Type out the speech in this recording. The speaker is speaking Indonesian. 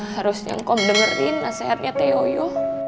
harusnya engkau dengerin nasihatnya teh yoyo